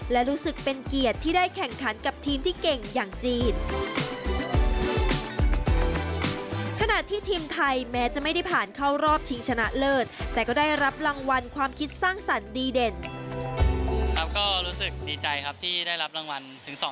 และรู้สึกเป็นเกียรติที่ได้แข่งขันกับทีมที่เก่งอย่างจีน